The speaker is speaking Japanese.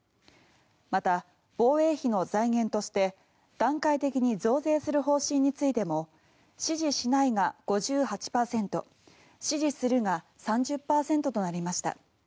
また、防衛費の財源として段階的に増税する方針についても支持しないが５８％支持するが３０％となりました。